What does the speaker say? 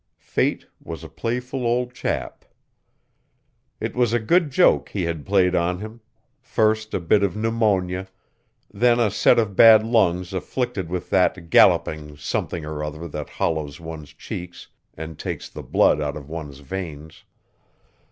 Fate was a playful old chap. It was a good joke he had played on him first a bit of pneumonia, then a set of bad lungs afflicted with that "galloping" something or other that hollows one's cheeks and takes the blood out of one's veins.